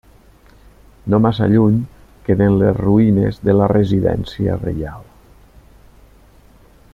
No massa lluny, queden les ruïnes de la residència reial.